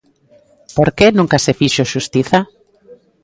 ¿Por que nunca se fixo xustiza?